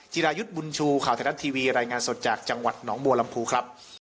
รายุทธ์บุญชูข่าวไทยรัฐทีวีรายงานสดจากจังหวัดหนองบัวลำพูครับ